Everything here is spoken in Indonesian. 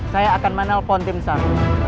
saya akan menelpon tim sar